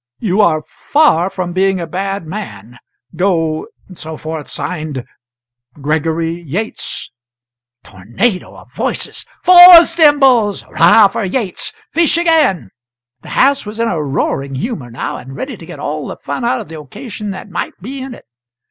'You are far from being a bad man. Go,' etc. Signed, 'Gregory Yates.'" Tornado of Voices. "Four Symbols!" "'Rah for Yates!" "Fish again!" The house was in a roaring humour now, and ready to get all the fun out of the occasion that might be in it.